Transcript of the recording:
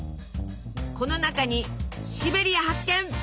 この中にシベリヤ発見！